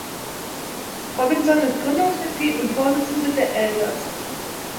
Robinson ist Gründungsmitglied und Vorsitzende der Elders.